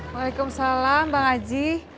waalaikumsalam bang aji